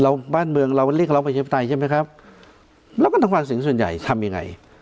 เราบ้านเมืองเราเรียกเราไปใช้ภัยใช่มั้ยครับแล้วก็ต้องฝากศิลป์สุนใหญ่ทำยังไง